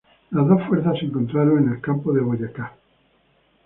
Las dos fuerzas se encontraron en el campo de Boyacá.